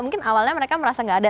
mungkin awalnya mereka merasa nggak ada